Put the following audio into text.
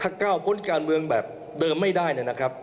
ถ้าก้าวพ้นการเมืองแบบเดิมไม่ได้เนี่ยนะครับ